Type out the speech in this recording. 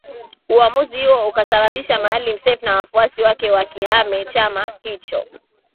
Uamuzi huo ukasababisha Maalim Seif na wafuasi wake wakihame chama hicho